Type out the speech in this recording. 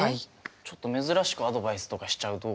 ちょっと珍しくアドバイスとかしちゃうと。